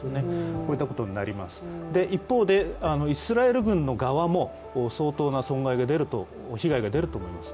こういったことになります一方で、イスラエル軍の側も相当な被害が出ると思います。